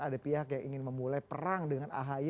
ada pihak yang ingin memulai perang dengan ahy